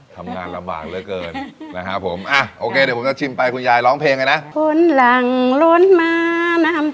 ทำงานลำบากเหลือเกินนะครับผมอะโอเคเดี๋ยวผมจะชิมไปคุณยายร้องเพลงกันนะ